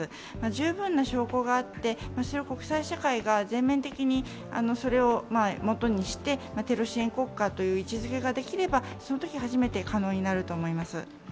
十分な証拠が会って国際社会が全面的にそれを基にしてテロ支援国家という位置づけができればそのとき初めて可能になると思います。